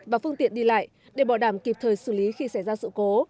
và phương tiện đi lại để bảo đảm kịp thời xử lý khi xảy ra sự cố